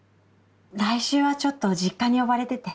来週はちょっと実家に呼ばれてて。